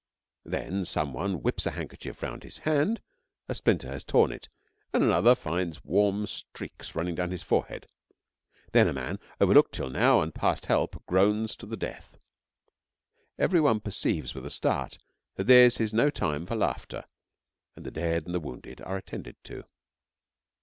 Then some one whips a handkerchief round his hand a splinter has torn it and another finds warm streaks running down his forehead. Then a man, overlooked till now and past help, groans to the death. Everybody perceives with a start that this is no time for laughter, and the dead and wounded are attended to.